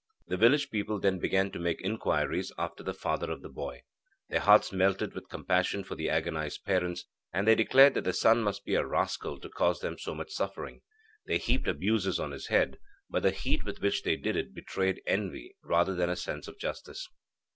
The village people then began to make inquiries after the father of the boy. Their hearts melted with compassion for the agonised parents, and they declared that the son must be a rascal to cause them so much suffering. They heaped abuses on his head, but the heat with which they did it betrayed envy rather than a sense of justice.